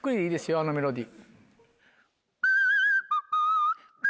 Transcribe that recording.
あのメロディー。